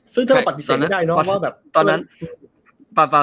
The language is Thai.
ซึ่งถ้าเราปฏิเสธไม่ได้เนาะ